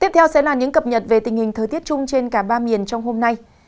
tiếp theo sẽ là những cập nhật về tình hình thời tiết chung trên cả ba miền trong hôm nay